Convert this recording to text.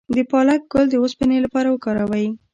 د پالک ګل د اوسپنې لپاره وکاروئ